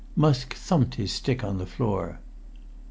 Musk thumped his stick on the floor.